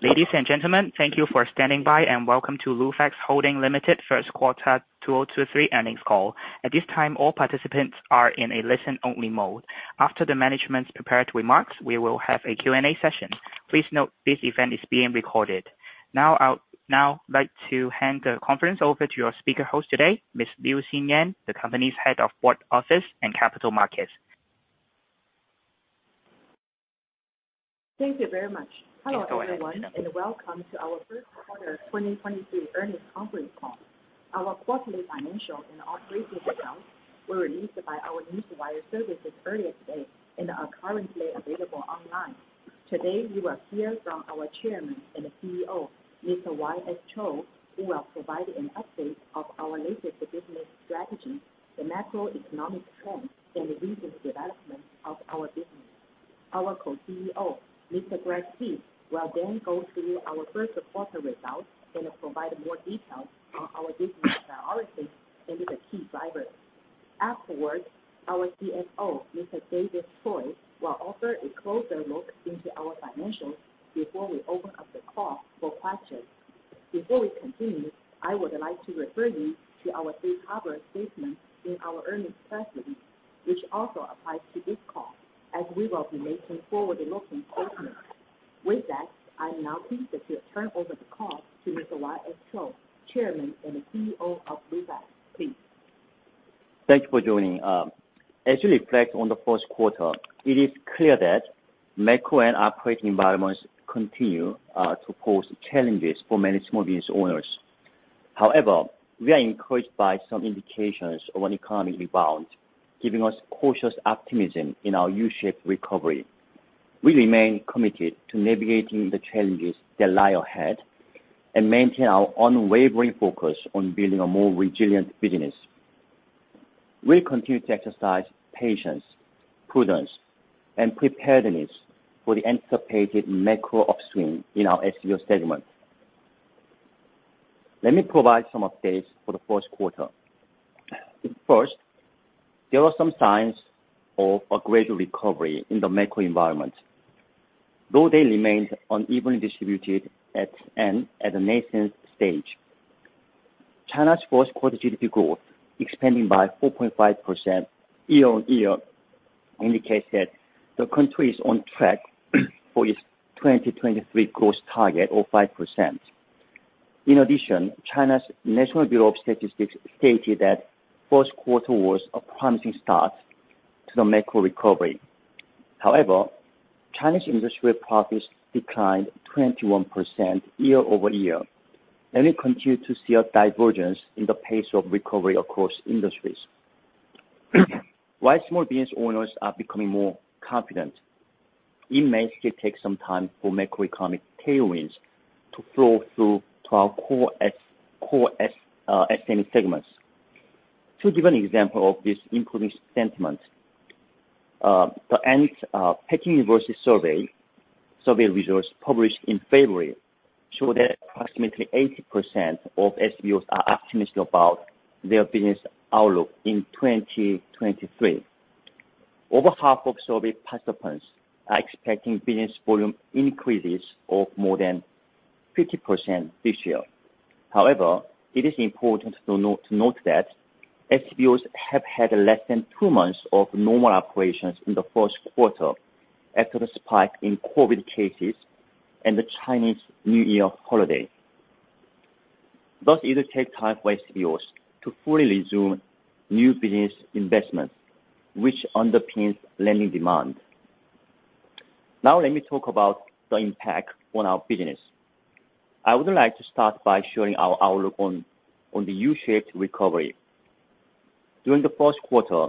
Ladies and gentlemen, thank you for standing by and welcome to Lufax Holding Ltd first quarter 2023 earnings call. At this time, all participants are in a listen only mode. After the management's prepared remarks, we will have a Q&A session. Please note this event is being recorded. Now like to hand the conference over to your speaker-host today, Ms. Xinyan Liu, the company's Head of Board Office and Capital Markets. Thank you very much. Please go ahead. Hello, everyone, welcome to our first quarter 2023 earnings conference call. Our quarterly financial and operating results were released by our Newswire services earlier today and are currently available online. Today, you will hear from our Chairman and CEO, Mr. Y.S. Chou, who will provide an update of our latest business strategy, the macroeconomic trends, and the recent development of our business. Our Co-CEO, Mr. Greg Gibb, will then go through our first quarter results and provide more details on our business priorities and the key drivers. Afterwards, our CFO, Mr. David Choy, will offer a closer look into our financials before we open up the call for questions. Before we continue, I would like to refer you to our safe harbor statement in our earnings press release, which also applies to this call, as we will be making forward-looking statements. With that, I am now pleased to turn over the call to Mr. Y.S. Cho, Chairman and CEO of Lufax. Please. Thank you for joining. As you reflect on the first quarter, it is clear that macro and operating environments continue to pose challenges for many small business owners. However, we are encouraged by some indications of an economic rebound, giving us cautious optimism in our U-shaped recovery. We remain committed to navigating the challenges that lie ahead and maintain our unwavering focus on building a more resilient business. We continue to exercise patience, prudence, and preparedness for the anticipated macro upswing in our SBO segment. Let me provide some updates for the first quarter. First, there are some signs of a gradual recovery in the macro environment, though they remained unevenly distributed at the nascent stage. China's first quarter GDP growth, expanding by 4.5% year on year, indicates that the country is on track for its 2023 growth target of 5%. In addition, China's National Bureau of Statistics stated that first quarter was a promising start to the macro recovery. Chinese industrial profits declined 21% year-over-year, and we continue to see a divergence in the pace of recovery across industries. Small business owners are becoming more confident, it may still take some time for macroeconomic tailwinds to flow through to our core SME segments. To give an example of this improving sentiment, the Ant-Peking University survey results published in February show that approximately 80% of SBOs are optimistic about their business outlook in 2023. Over half of survey participants are expecting business volume increases of more than 50% this year. However, it is important to note that SBOs have had less than two months of normal operations in the first quarter after the spike in COVID cases and the Chinese New Year holiday. It'll take time for SBOs to fully resume new business investments, which underpins lending demand. Let me talk about the impact on our business. I would like to start by sharing our outlook on the U-shaped recovery. During the first quarter,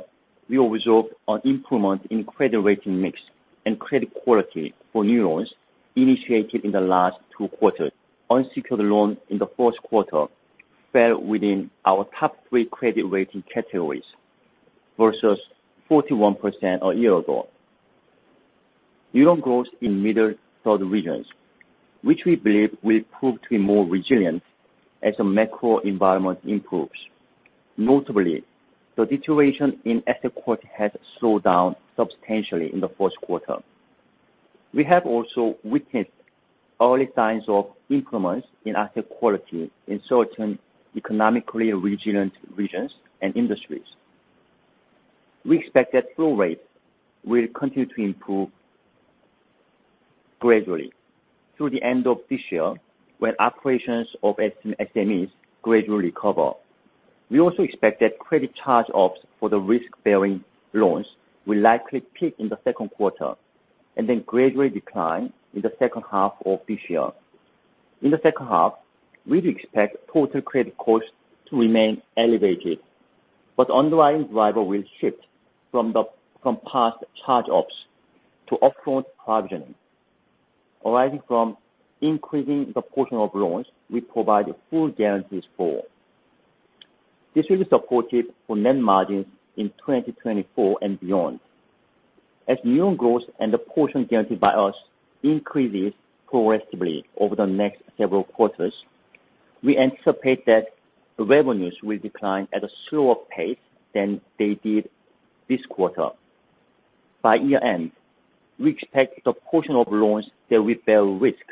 we observed an improvement in credit rating mix and credit quality for new loans initiated in the last two quarters. Unsecured loans in the first quarter fell within our top three credit rating categories versus 41% a year ago. New loan growth in middle third regions, which we believe will prove to be more resilient as the macro environment improves. Notably, the deterioration in asset quality has slowed down substantially in the first quarter. We have also witnessed early signs of improvements in asset quality in certain economically resilient regions and industries. We expect that flow rate will continue to improve gradually through the end of this year when operations of SMEs gradually recover. We also expect that credit charge-offs for the risk-bearing loans will likely peak in the second quarter and then gradually decline in the second half of this year. In the second half, we'd expect total credit costs to remain elevated, but underlying driver will shift from past charge-offs to upfront provisioning, arising from increasing the portion of loans we provide full guarantees for. This will be supportive for net margins in 2024 and beyond. As new loan growth and the portion guaranteed by us increases progressively over the next several quarters, we anticipate that the revenues will decline at a slower pace than they did this quarter. By year end, we expect the portion of loans that we bear risk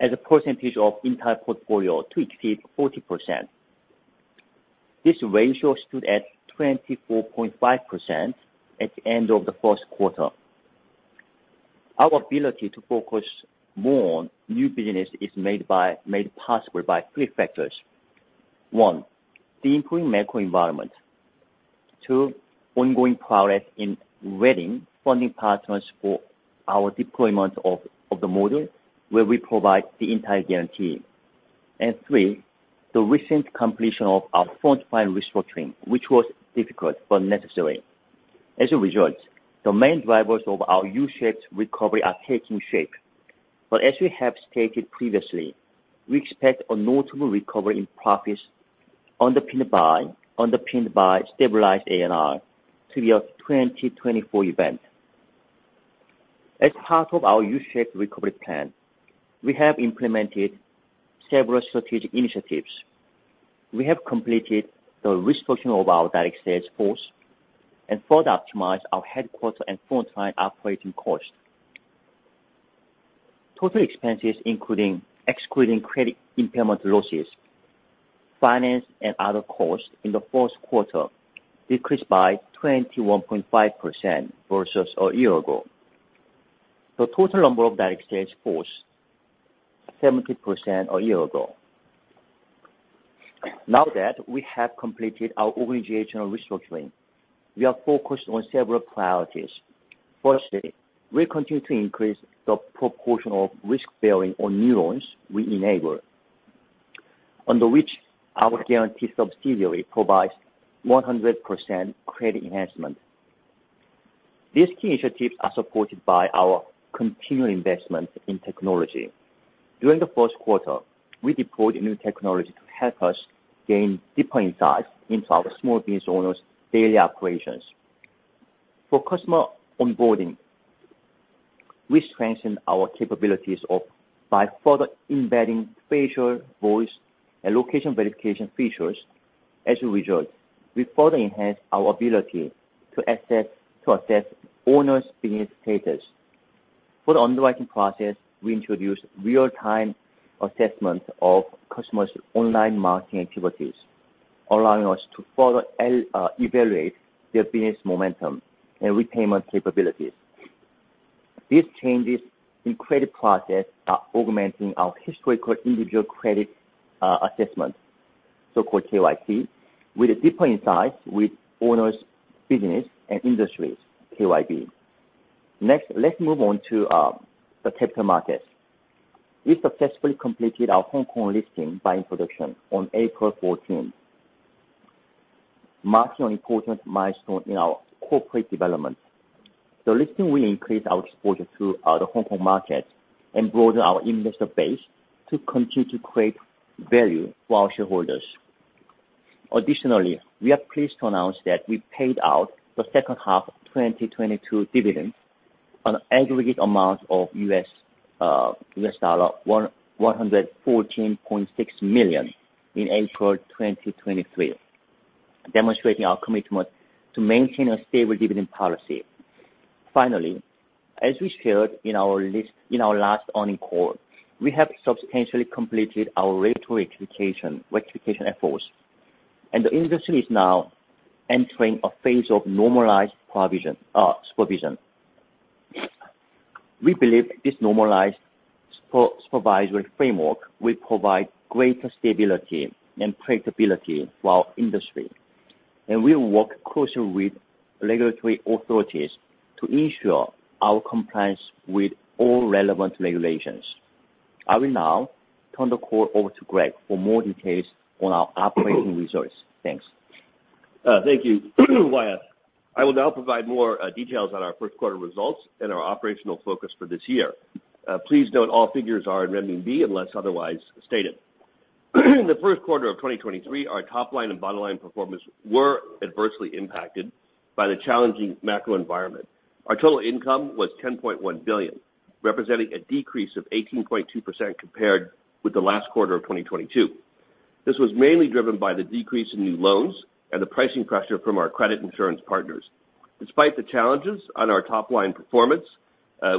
as a percentage of entire portfolio to exceed 40%. This ratio stood at 24.5% at the end of the first quarter. Our ability to focus more on new business is made possible by three factors. One, the improving macro environment. Two, ongoing progress in vetting funding partners for our deployment of the model where we provide the entire guarantee. And three, the recent completion of our front-line restructuring, which was difficult but necessary. As a result, the main drivers of our U-shaped recovery are taking shape. As we have stated previously, we expect a notable recovery in profits underpinned by stabilized ANR to be a 2024 event. As part of our U-shaped recovery plan, we have implemented several strategic initiatives. We have completed the restructuring of our direct sales force and further optimized our headquarter and front line operating costs. Total expenses excluding credit impairment losses, finance and other costs in the first quarter decreased by 21.5% versus a year ago. The total number of direct sales force, 70% a year ago. Now that we have completed our organizational restructuring, we are focused on several priorities. Firstly, we continue to increase the proportion of risk bearing on new loans we enable, under which our guarantee subsidiary provides 100% credit enhancement. These key initiatives are supported by our continued investment in technology. During the first quarter, we deployed new technology to help us gain deeper insights into our small business owners' daily operations. For customer onboarding, we strengthened our capabilities by further embedding facial, voice, and location verification features. As a result, we further enhanced our ability to assess owners' business status. For the underwriting process, we introduced real-time assessment of customers' online marketing activities, allowing us to further evaluate their business momentum and repayment capabilities. These changes in credit process are augmenting our historical individual credit assessment, so-called KYC, with a deeper insight with owners, business and industries, KYB. Let's move on to the capital markets. We successfully completed our Hong Kong listing by introduction on April 14th, marking an important milestone in our corporate development. The listing will increase our exposure to the Hong Kong market and broaden our investor base to continue to create value for our shareholders. Additionally, we are pleased to announce that we paid out the second half of 2022 dividends on aggregate amount of $114.6 million in April 2023, demonstrating our commitment to maintain a stable dividend policy. Finally, as we shared in our last earning call, we have substantially completed our regulatory rectification efforts, and the industry is now entering a phase of normalized provision supervision. We believe this normalized supervisory framework will provide greater stability and predictability for our industry, and we will work closely with regulatory authorities to ensure our compliance with all relevant regulations. I will now turn the call over to Greg for more details on our operating results. Thanks. Thank you, YS. I will now provide more details on our first quarter results and our operational focus for this year. Please note all figures are in Renminbi unless otherwise stated. The first quarter of 2023, our top line and bottom line performance were adversely impacted by the challenging macro environment. Our total income was 10.1 billion, representing a decrease of 18.2% compared with the last quarter of 2022. This was mainly driven by the decrease in new loans and the pricing pressure from our credit insurance partners. Despite the challenges on our top line performance,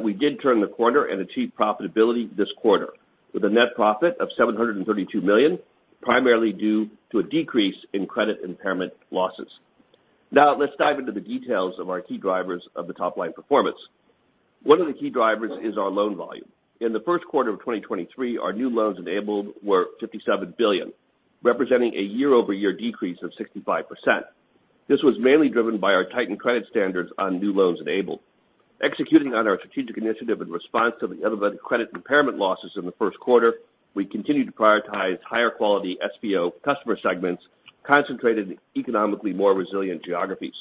we did turn the corner and achieve profitability this quarter with a net profit of 732 million, primarily due to a decrease in credit impairment losses. Let's dive into the details of our key drivers of the top line performance. One of the key drivers is our loan volume. In the first quarter of 2023, our new loans enabled were 57 billion, representing a year-over-year decrease of 65%. This was mainly driven by our tightened credit standards on new loans enabled. Executing on our strategic initiative in response to the elevated credit impairment losses in the first quarter, we continued to prioritize higher quality SBO customer segments concentrated in economically more resilient geographies.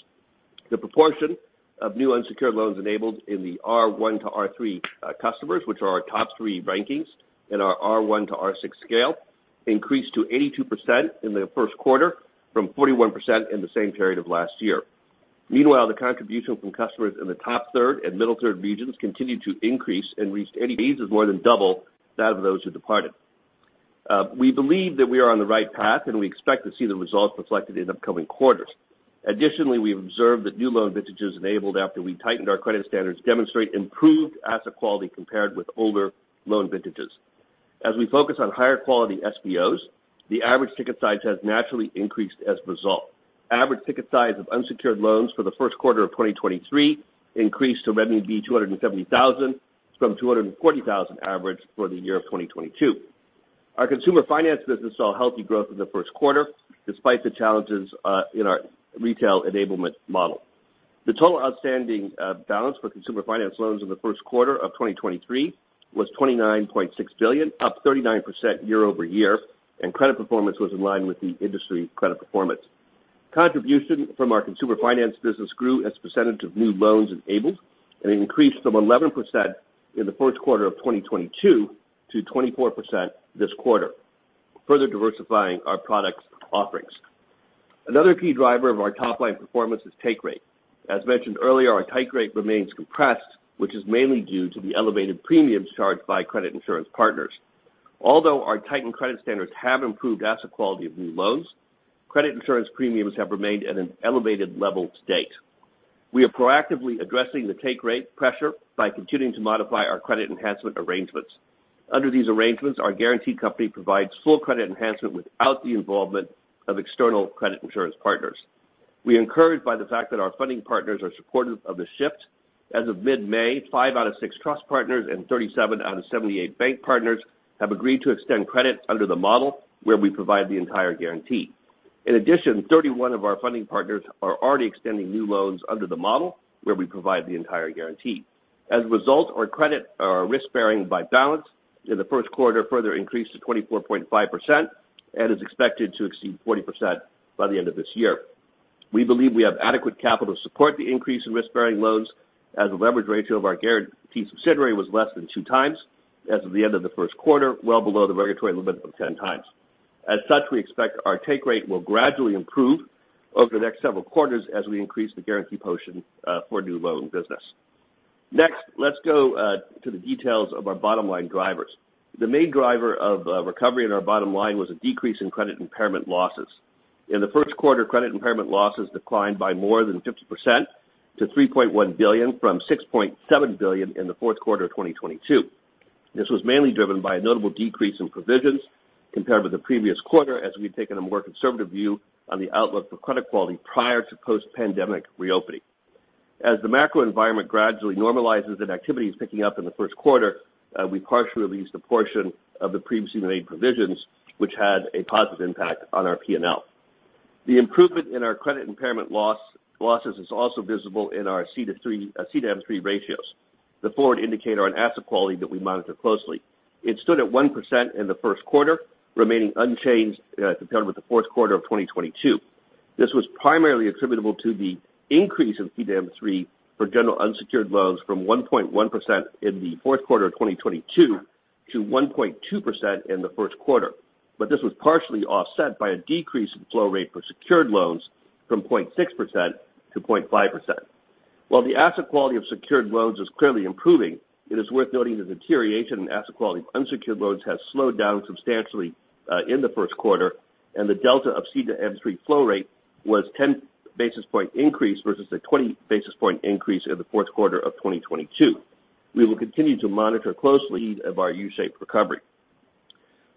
The proportion of new unsecured loans enabled in the R1 to R3 customers, which are our top three rankings in our R1 to R6 scale, increased to 82% in the first quarter from 41% in the same period of last year. Meanwhile, the contribution from customers in the top third and middle third regions continued to increase and reached more than double that of those who departed. We believe that we are on the right path, and we expect to see the results reflected in upcoming quarters. Additionally, we observed that new loan vintages enabled after we tightened our credit standards demonstrate improved asset quality compared with older loan vintages. As we focus on higher quality SBOs, the average ticket size has naturally increased as a result. Average ticket size of unsecured loans for the first quarter of 2023 increased to roughly 270,000 from 240,000 average for the year of 2022. Our consumer finance business saw healthy growth in the first quarter despite the challenges in our retail enablement model. The total outstanding balance for consumer finance loans in the first quarter of 2023 was 29.6 billion, up 39% year-over-year, and credit performance was in line with the industry credit performance. Contribution from our consumer finance business grew as a percentage of new loans enabled, and it increased from 11% in the first quarter of 2022 to 24% this quarter, further diversifying our products offerings. Another key driver of our top line performance is take rate. As mentioned earlier, our take rate remains compressed, which is mainly due to the elevated premiums charged by credit insurance partners. Although our tightened credit standards have improved asset quality of new loans, credit insurance premiums have remained at an elevated level to date. We are proactively addressing the take rate pressure by continuing to modify our credit enhancement arrangements. Under these arrangements, our guarantee company provides full credit enhancement without the involvement of external credit insurance partners. We are encouraged by the fact that our funding partners are supportive of the shift. As of mid-May, five out of six trust partners and 37 out of 78 bank partners have agreed to extend credit under the model where we provide the entire guarantee. In addition, 31 of our funding partners are already extending new loans under the model where we provide the entire guarantee. As a result, our credit, our risk-bearing by balance in the first quarter further increased to 24.5% and is expected to exceed 40% by the end of this year. We believe we have adequate capital to support the increase in risk-bearing loans, as the leverage ratio of our guarantee subsidiary was less than 2x as of the end of the first quarter, well below the regulatory limit of 10x. As such, we expect our take rate will gradually improve over the next several quarters as we increase the guarantee portion for new loan business. Let's go to the details of our bottom-line drivers. The main driver of recovery in our bottom line was a decrease in credit impairment losses. In the first quarter, credit impairment losses declined by more than 50% to 3.1 billion from 6.7 billion in the fourth quarter of 2022. This was mainly driven by a notable decrease in provisions compared with the previous quarter as we've taken a more conservative view on the outlook for credit quality prior to post-pandemic reopening. As the macro environment gradually normalizes and activity is picking up in the first quarter, we partially released a portion of the previously made provisions, which had a positive impact on our P&L. The improvement in our credit impairment losses is also visible in our C-M3 ratios, the forward indicator on asset quality that we monitor closely. It stood at 1% in the first quarter, remaining unchanged compared with the fourth quarter of 2022. This was primarily attributable to the increase in C-M3 for general unsecured loans from 1.1% in the fourth quarter of 2022 to 1.2% in the first quarter. This was partially offset by a decrease in flow rate for secured loans from 0.6% to 0.5%. While the asset quality of secured loans is clearly improving, it is worth noting the deterioration in asset quality of unsecured loans has slowed down substantially in the first quarter, and the delta of C-M3 flow rate was 10 basis point increase versus a 20 basis point increase in the fourth quarter of 2022. We will continue to monitor closely of our U-shaped recovery.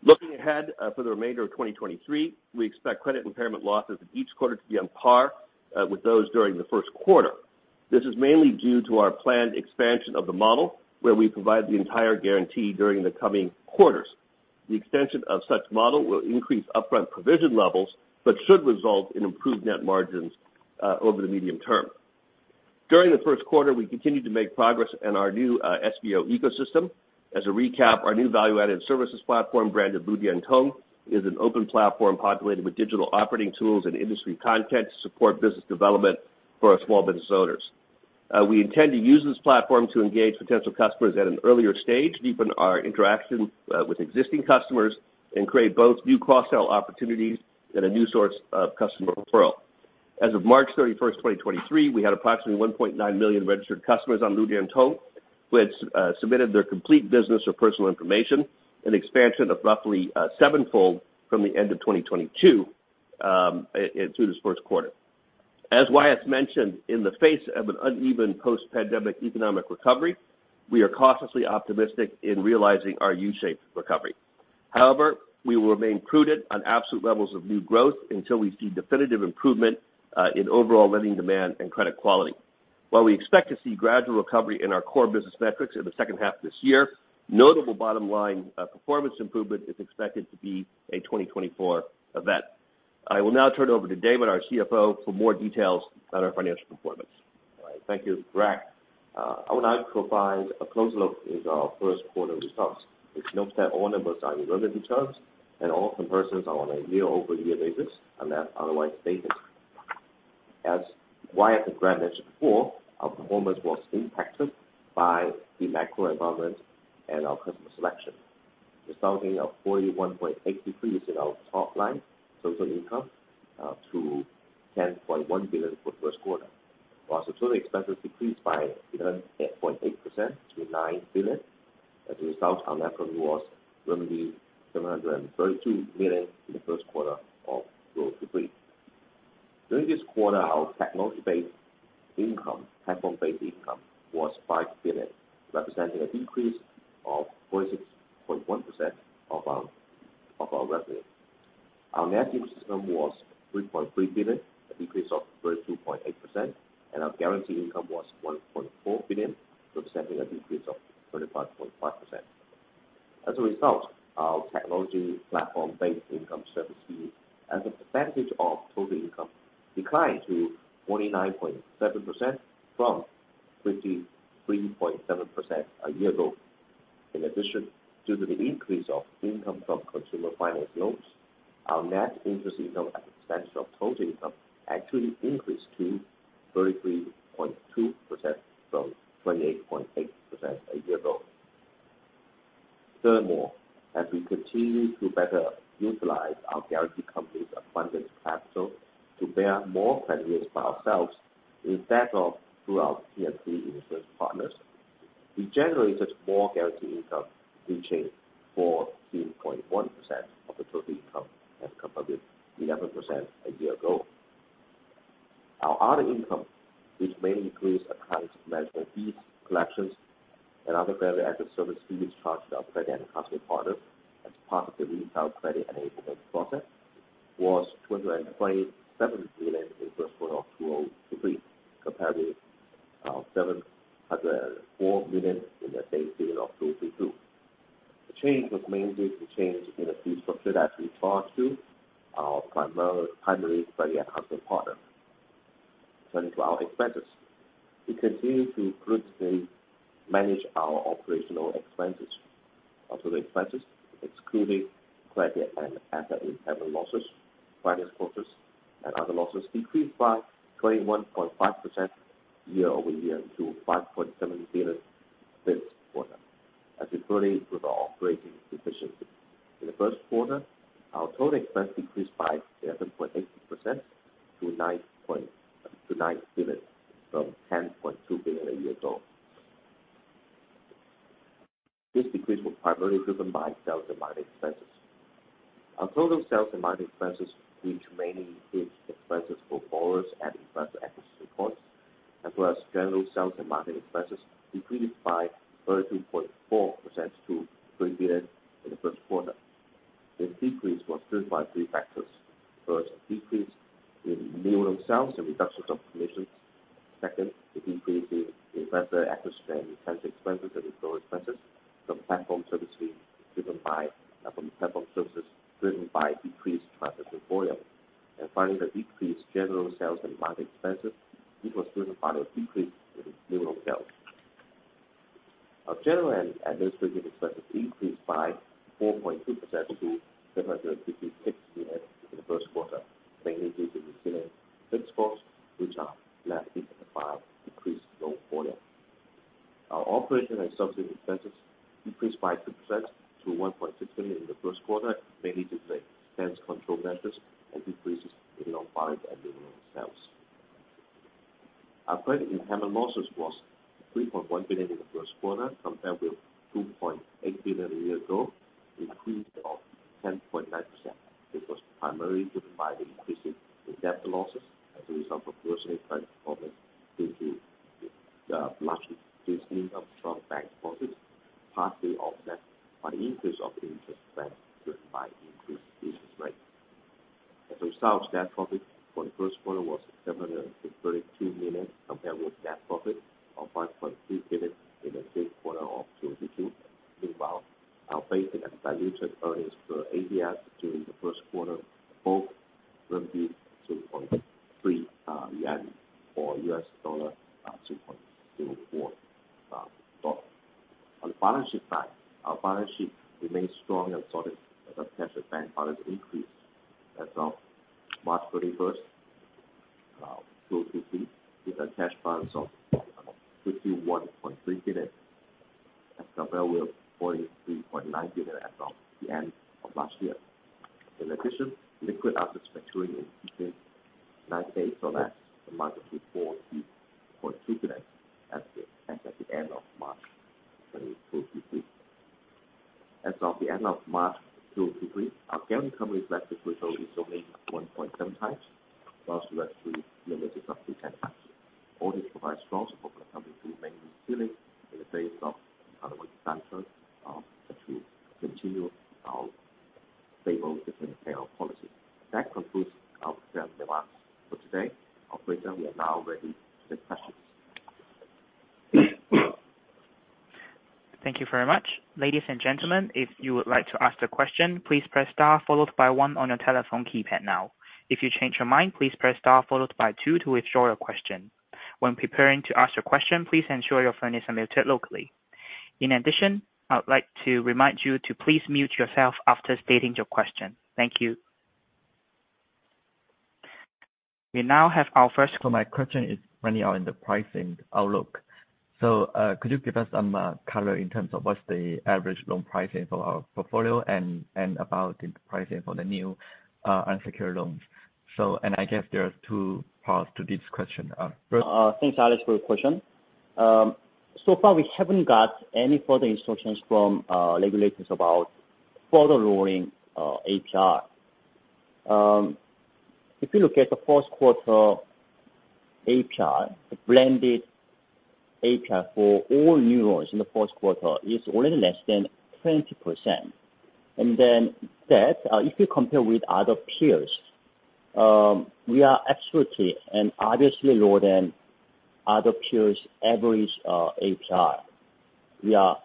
Looking ahead, for the remainder of 2023, we expect credit impairment losses in each quarter to be on par with those during the first quarter. This is mainly due to our planned expansion of the model where we provide the entire guarantee during the coming quarters. The extension of such model will increase upfront provision levels but should result in improved net margins over the medium term. During the first quarter, we continued to make progress in our new SBO ecosystem. As a recap, our new value-added services platform, branded LuDianTong, is an open platform populated with digital operating tools and industry content to support business development for our small business owners. We intend to use this platform to engage potential customers at an earlier stage, deepen our interaction with existing customers, and create both new cross-sell opportunities and a new source of customer referral. As of March 31st, 2023, we had approximately 1.9 million registered customers on LuDianTong who had submitted their complete business or personal information, an expansion of roughly sevenfold from the end of 2022, and through this 1st quarter. As Y.S. mentioned, in the face of an uneven post-pandemic economic recovery, we are cautiously optimistic in realizing our U-shaped recovery. However, we will remain prudent on absolute levels of new growth until we see definitive improvement in overall lending demand and credit quality. While we expect to see gradual recovery in our core business metrics in the second half of this year, notable bottom-line performance improvement is expected to be a 2024 event. I will now turn it over to David, our CFO, for more details on our financial performance. All right. Thank you, Greg. I will now provide a close look with our first quarter results. Please note that all numbers are in relative terms and all comparisons are on a year-over-year basis unless otherwise stated. As Y.S. and Greg mentioned before, our performance was impacted by the macro environment and our customer selection, resulting in 41.8-Top line total income to 10.1 billion for first quarter. While total expenses decreased by 11.8% to 9 billion. As a result, our net revenue was 732 million in the first quarter of 2023. During this quarter, our technology-based income, platform-based income was 5 billion, representing an increase of 46.1% of our revenue. Our net interest income was 3.3 billion, a decrease of 32.8% and our guarantee income was 1.4 billion, representing a decrease of 35.5%. As a result, our technology platform-based income services as a percentage of total income declined to 29.7% from 53.7% a year ago. In addition, due to the increase of income from consumer finance loans, our net interest income as a percentage of total income actually increased to 33.2% from 28.8% a year ago. Furthermore, as we continue to better utilize our guarantee company's abundant capital to bear more credits for ourselves instead of through our P&C insurance partners, we generated more guarantee income reaching 14.1% of the total income as compared with 11% a year ago. Our other income, which mainly includes accounts management fees, collections, and other value-added service fees charged to our credit and consumer partners as part of the retail credit enablement process, was 227 million in the first quarter of 2023, compared with 704 million in the same period of 2022. The change was mainly the change in the fees for credit as we charged to our primary credit and consumer partner. Turning to our expenses. We continue to prudently manage our operational expenses. Operating expenses, excluding credit and asset-enhanced losses, finance costs, and other losses decreased by 21.5% year-over-year to CNY 5.7 billion this quarter, as we further improve our operating efficiency. In the first quarter, our total expense decreased by 11.8% to 9 billion from 10.2 billion a year ago. This decrease was primarily driven by sales and marketing expenses. Our total sales and marketing expenses, which mainly includes expenses for borrowers and investor acquisition costs, as well as general sales and marketing expenses, decreased by 13.4% to 3 billion in the first quarter. This decrease was driven by three factors. First, decrease in new loan sales and reductions of commissions. Second, the decrease in investor acquisition and retention expenses and referral expenses from platform services driven by decreased transaction volume. Finally, the decreased general sales and marketing expenses, which was driven by the decrease in new loan sales. General and administrative expenses increased by 4.2% to 756 million in the first quarter, mainly due to the ceiling fixed costs, which are less impacted by decreased loan volume. Operational and subsidy expenses decreased by 6% to 1.6 billion in the first quarter, mainly due to the expense control measures and decreases in loan volumes and new loan sales. Credit-enhanced losses was 3.1 billion in the first quarter compared with 2.8 billion a year ago, increase of 10.9%, which was primarily driven by the increase in debt losses as a result of worsening credit performance due to the large increasing of strong bank profits, partly offset by the increase of interest expense driven by increased business rates. As a result, net profit for the first quarter was 732 million compared with net profit of 5.3 billion in the same quarter of 2022. Meanwhile, our basic and diluted earnings per ADS during the first quarter were CNY 0.3 or $0.04. On the balance sheet side, our balance sheet remains strong and solid as our cash and bank balance increased. As of March 31st, 2023, with our cash balance of 51.3 billion as compared with 43.9 billion as of the end of last year. In addition, liquid assets maturing in between 90 days or less amounted to CNY 40.2 billion as at the end of March 2023. As of the end of March 2023, our current company's debt-to-equity ratio is only 1.7x, while supervisory limit is up to 10x. All this provide strong support for the company to maintain stability in the face of economic downturn, as we continue our stable and prudent payout policy. That concludes our prepared remarks for today. Operator, we are now ready to take questions. Thank you very much. Ladies and gentlemen, if you would like to ask a question, please press star followed by one on your telephone keypad now. If you change your mind, please press star followed by two to withdraw your question. When preparing to ask your question, please ensure your phone is unmuted locally. In addition, I would like to remind you to please mute yourself after stating your question. Thank you. We now have our first- My question is mainly on the pricing outlook. Could you give us some color in terms of what's the average loan pricing for our portfolio and about the pricing for the new unsecured loans? I guess there are two parts to this question. your question. So far, we haven't got any further instructions from regulators about further lowering APR. If you look at the first quarter APR, the blended APR for all new loans in the first quarter is already less than 20%. If you compare with other peers, we are absolutely and obviously lower than other peers' average APR. We are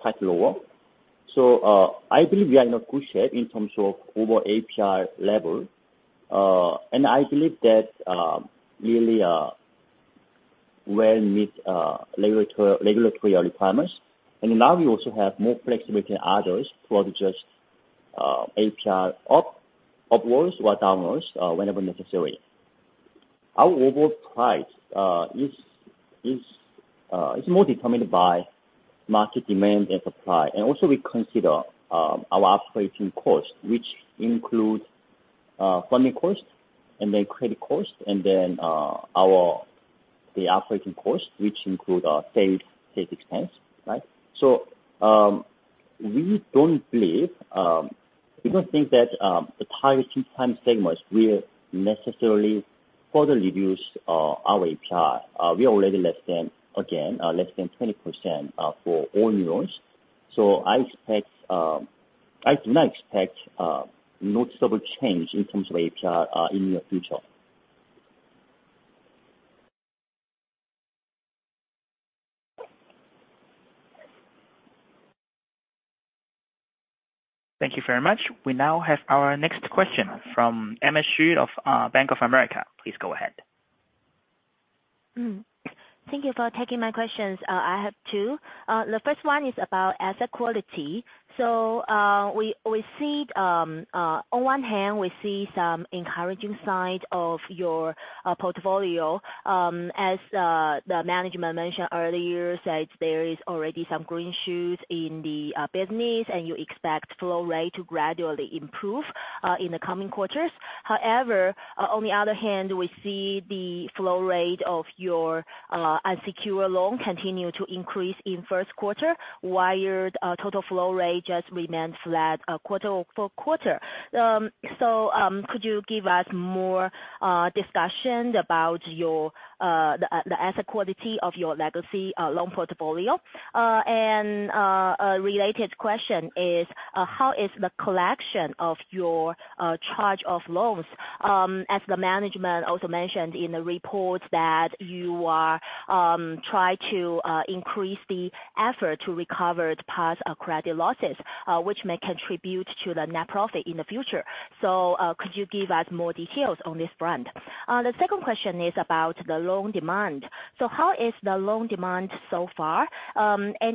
quite lower. So, I believe we are in a good shape in terms of overall APR level. And I believe that really will meet regulatory requirements. Now we also have more flexibility than others to adjust APR upwards or downwards whenever necessary. Our overall price is more determined by market demand and supply Also we consider our operating cost, which includes funding cost and then credit cost and then the operating cost, which include our sales expense, right? We don't believe we don't think that the target time segments will necessarily further reduce our APR. We are already less than, again, less than 20% for all new loans. I expect I do not expect noticeable change in terms of APR in the near future. Thank you very much. We now have our next question from Emma Xu of Bank of America. Please go ahead. Thank you for taking my questions. I have two. The first one is about asset quality. We see, on one hand, we see some encouraging side of your portfolio, as the management mentioned earlier, said there is already some green shoots in the business, and you expect flow rate to gradually improve in the coming quarters. However, on the other hand, we see the flow rate of your unsecured loan continue to increase in first quarter while your total flow rate just remains flat, quarter-over-quarter. Could you give us more discussion about your the asset quality of your legacy loan portfolio? A related question is how is the collection of your charge-off loans, as the management also mentioned in the report that you are try to increase the effort to recover the past credit losses, which may contribute to the net profit in the future. Could you give us more details on this front? The second question is about the loan demand. How is the loan demand so far?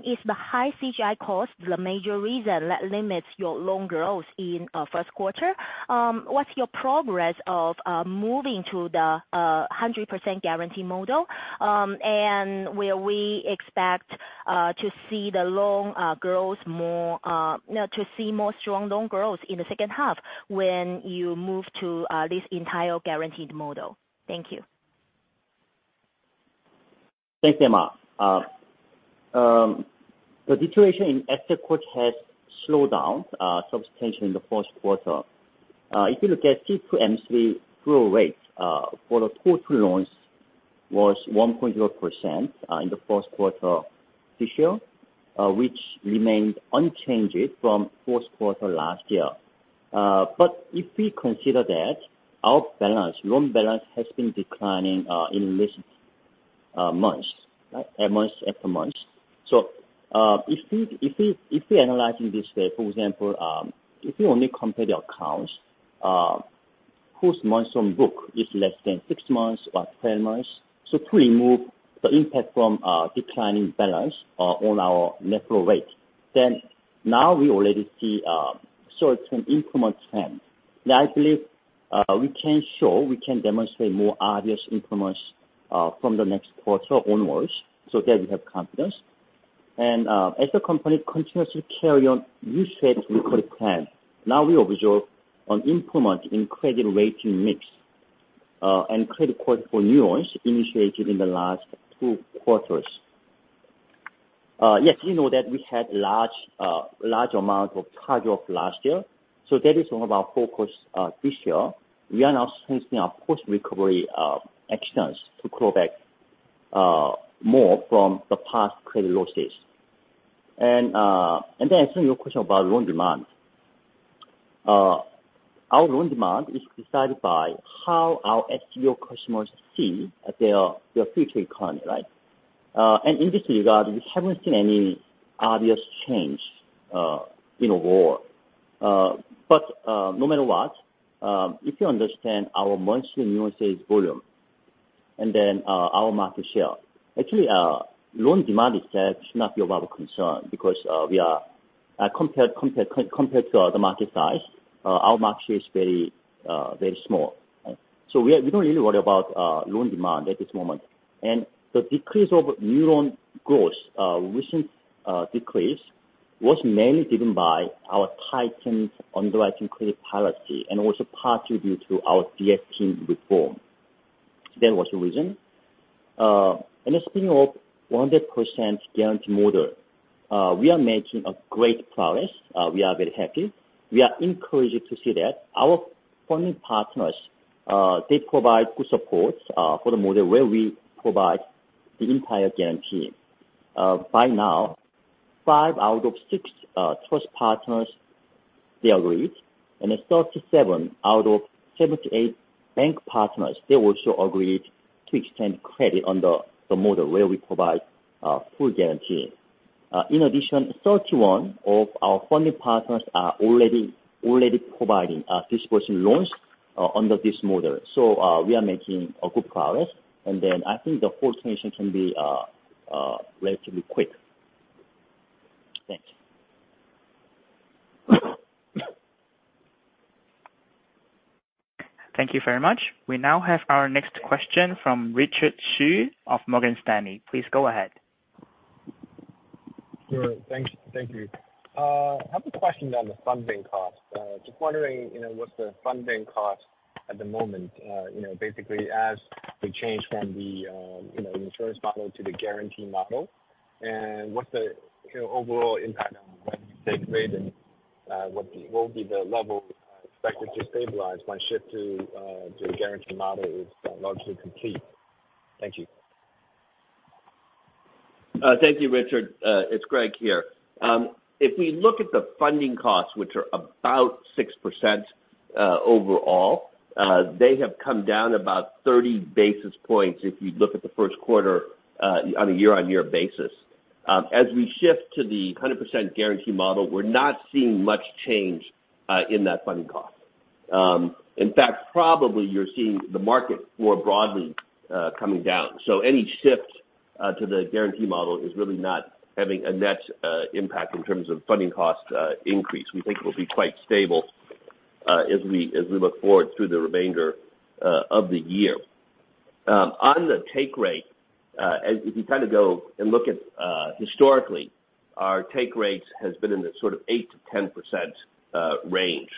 Is the high CGI cost the major reason that limits your loan growth in first quarter? What's your progress of moving to the 100% guarantee model? Will we expect to see more strong loan growth in the second half when you move to this entire guaranteed model? Thank you. Thanks, Emma. The deterioration in asset quality has slowed down substantially in the first quarter. If you look at C-M3 flow rate for the total loans was 1.0% in the first quarter this year, which remained unchanged from first quarter last year. If we consider that our balance, loan balance has been declining in recent months, right? Months after months. If we analyzing this way, for example, if you only compare the accounts whose months on book is less than 6 months or 10 months, so to remove the impact from declining balance on our net flow rate, then now we already see certain improvement trend. Now, I believe, we can show, we can demonstrate more obvious improvements, from the next quarter onwards, so that we have confidence. As the company continuously carry on reset recovery plan, now we observe an improvement in credit rating mix, and credit cost for new loans initiated in the last two quarters. Yes, you know that we had large amount of charge-off last year. That is one of our focus, this year. We are now strengthening our post-recovery, actions to grow back, more from the past credit losses. Then answering your question about loan demand. Our loan demand is decided by how our SBO customers see their future economy, right? In this regard, we haven't seen any obvious change, in overall. No matter what, if you understand our monthly new loan sales volume. Then our market share. Actually, loan demand itself should not be of our concern because we are compared to other market size, our market share is very, very small. So we don't really worry about loan demand at this moment. The decrease of new loan growth, recent decrease was mainly driven by our tightened underwriting credit policy and also partly due to our GST reform. That was the reason. Speaking of 100% guarantee model, we are making great progress. We are very happy. We are encouraged to see that our funding partners, they provide good support for the model where we provide the entire guarantee. By now, five out of six trust partners, they agreed. 37 out of 78 bank partners, they also agreed to extend credit under the model where we provide full guarantee. In addition, 31 of our funding partners are already providing disbursement loans under this model. We are making good progress. I think the full transition can be relatively quick. Thanks. Thank you very much. We now have our next question from Richard Xu of Morgan Stanley. Please go ahead. Sure. Thank you. I have a question about the funding cost. Just wondering, you know, what's the funding cost at the moment, you know, basically as we change from the, you know, insurance model to the guarantee model? What's the, you know, overall impact on take rate and what will be the level expected to stabilize when shift to a guarantee model is largely complete? Thank you. Thank you, Richard. It's Greg here. If we look at the funding costs, which are about 6%, overall, they have come down about 30 basis points if you look at the first quarter, on a year-on-year basis. As we shift to the 100% guarantee model, we're not seeing much change in that funding cost. In fact, probably you're seeing the market more broadly coming down. Any shift to the guarantee model is really not having a net impact in terms of funding cost increase. We think it will be quite stable as we look forward through the remainder of the year. On the take rate, if you kind of go and look at historically, our take rates has been in the sort of 8%-10% range.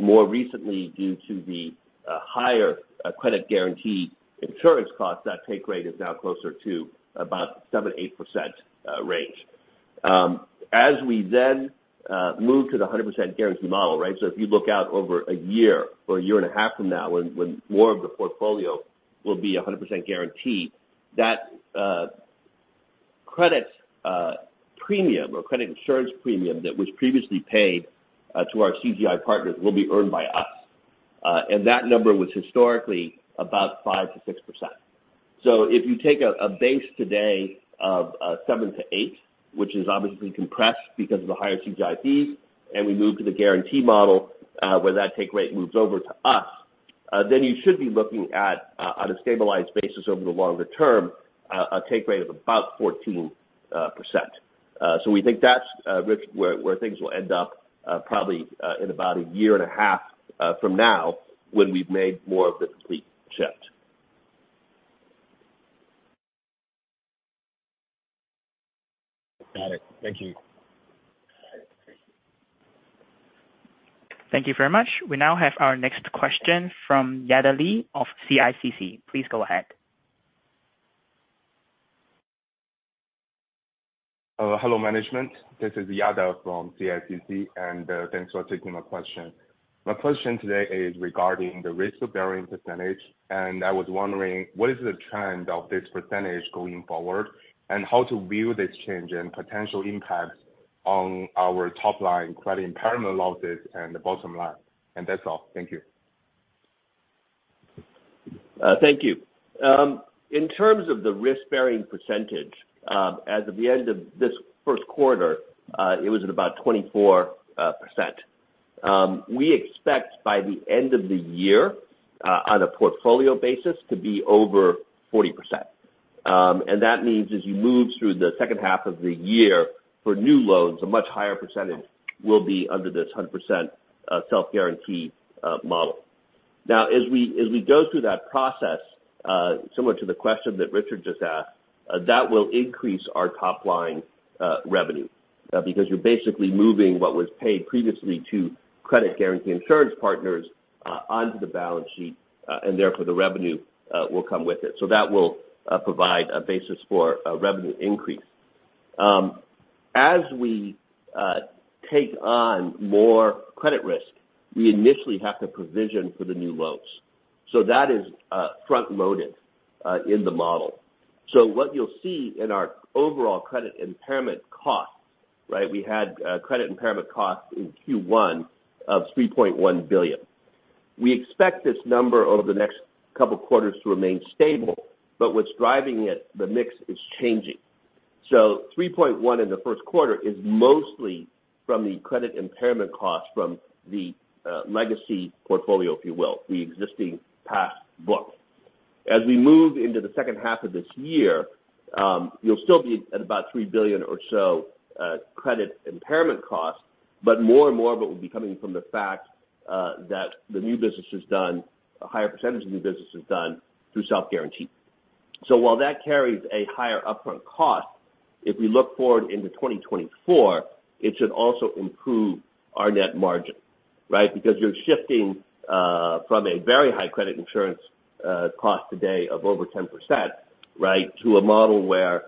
More recently, due to the higher credit guarantee insurance costs, that take rate is now closer to about 7%-8% range. As we then move to the 100% guarantee model, right? If you look out over a year or a year and a half from now, when more of the portfolio will be 100% guaranteed, that credit premium or credit insurance premium that was previously paid to our CGI partners will be earned by us. That number was historically about 5%-6%. If you take a base today of 7%-8%, which is obviously compressed because of the higher CGI fees, and we move to the guarantee model, where that take rate moves over to us, then you should be looking at on a stabilized basis over the longer term, a take rate of about 14%. We think that's Rich, where things will end up, probably, in about a year and a half from now, when we've made more of the complete shift. Got it. Thank you. Thank you very much. We now have our next question from Yada Li of CICC. Please go ahead. Hello, management. This is Yada from CICC. Thanks for taking my question. My question today is regarding the risk of bearing percentage. I was wondering what is the trend of this percentage going forward? How to view this change and potential impacts on our top line credit impairment losses and the bottom line? That's all. Thank you. Thank you. In terms of the risk-bearing percentage, as of the end of this first quarter, it was at about 24%. We expect by the end of the year, on a portfolio basis, to be over 40%. That means as you move through the second half of the year for new loans, a much higher percentage will be under this 100% self-guarantee model. Now as we go through that process, similar to the question that Richard Xu just asked, that will increase our top line revenue, because you're basically moving what was paid previously to credit guarantee insurance partners onto the balance sheet, therefore the revenue will come with it. That will provide a basis for a revenue increase. As we take on more credit risk, we initially have to provision for the new loans. That is front-loaded in the model. What you'll see in our overall credit impairment costs, right? We had credit impairment costs in Q1 of 3.1 billion. We expect this number over the next couple quarters to remain stable, but what's driving it, the mix is changing. 3.1 in the first quarter is mostly from the credit impairment costs from the legacy portfolio, if you will, the existing past books. As we move into the second half of this year, you'll still be at about 3 billion or so, credit impairment costs, but more and more of it will be coming from the fact that the new business is done, a higher percentage of new business is done through self-guarantee. While that carries a higher upfront cost, if we look forward into 2024, it should also improve our net margin, right? You're shifting from a very high credit insurance cost today of over 10%, right? To a model where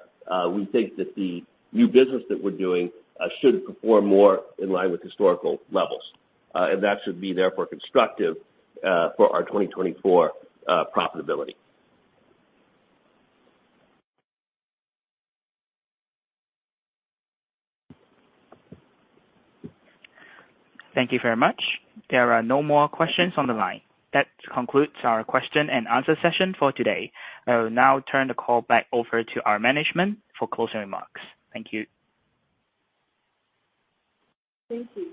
we think that the new business that we're doing should perform more in line with historical levels. That should be therefore constructive for our 2024 profitability. Thank you very much. There are no more questions on the line. That concludes our question and answer session for today. I will now turn the call back over to our management for closing remarks. Thank you. Thank you.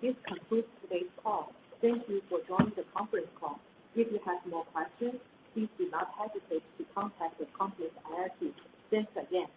This concludes today's call. Thank you for joining the conference call. If you have more questions, please do not hesitate to contact the company's IR team. Thanks again.